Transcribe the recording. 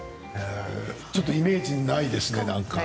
ちょっとイメージにないですね。